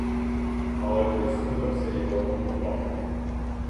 Але той смикався й лементував.